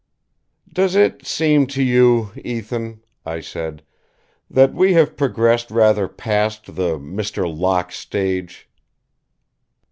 "Doesn't it seem to you, Ethan," I said, "that we have progressed rather past the Mr. Locke stage?"